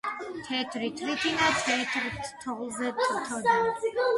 თეთრი თრითინა თეთრ თრთოლზე თროდა